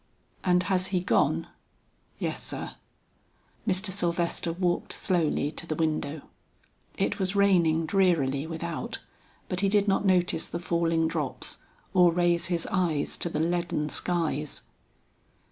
"And has he gone?" "Yes sir." Mr. Sylvester walked slowly to the window. It was raining drearily without, but he did not notice the falling drops or raise his eyes to the leaden skies.